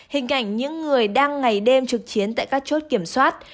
hình ảnh những người đang ngày đêm trực chiến tại các chốt kiểm soát